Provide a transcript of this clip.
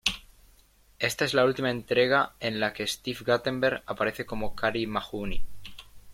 Esta es la última entrega en la que Steve Guttenberg aparece como Carey Mahoney.